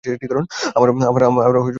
আমারও কথা বলতে হবে, একান্তে।